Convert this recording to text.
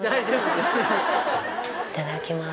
いただきます。